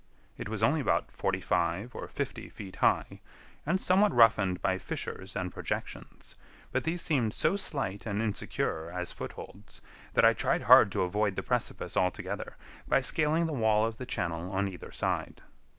It was only about forty five or fifty feet high, and somewhat roughened by fissures and projections; but these seemed so slight and insecure, as footholds, that I tried hard to avoid the precipice altogether, by scaling the wall of the channel on either side.